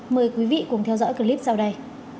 mời quý vị cùng theo dõi clip sau đây